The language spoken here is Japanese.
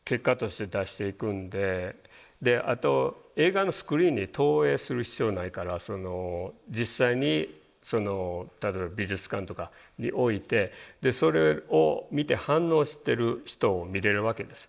あと映画のスクリーンに投影する必要ないから実際に例えば美術館とかに置いてそれを見て反応してる人を見れるわけです。